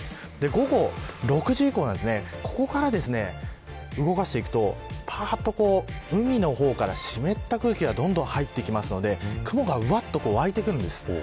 午後６時以降は、ここから動かしていくと、ぱっと海の方から湿った空気がどんどん入ってきますので雲がうわっと湧いてくるんです。